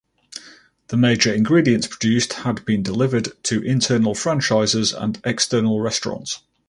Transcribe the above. The major ingredients produced had been delivered to internal franchises and external restaurants.